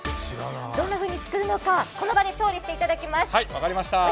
どんなふうに作るのか、この場で調理していただきます。